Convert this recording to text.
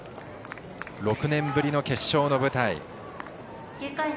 ６年ぶりの決勝の舞台。